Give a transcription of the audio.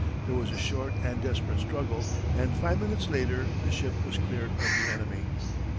There was a short and desperate struggle, and five minutes later, the ship was cleared of the enemy.